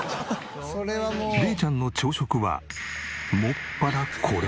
怜ちゃんの朝食はもっぱらこれ。